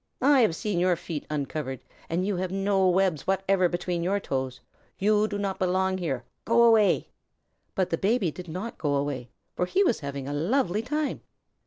I have seen your feet uncovered, and you have no webs whatever between your toes. You do not belong here. Go away!" The Baby did not go away, for he was having a lovely time.